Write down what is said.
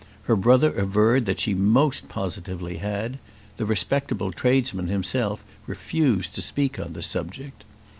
Her brother averred that she most positively had. The respectable tradesman himself refused to speak on the subject.